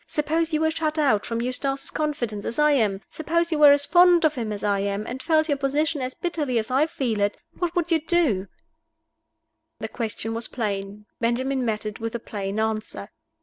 Suppose you were shut out from Eustace's confidence, as I am? Suppose you were as fond of him as I am, and felt your position as bitterly as I feel it what would you do?" The question was plain. Benjamin met it with a plain answer.